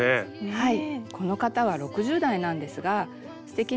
はい。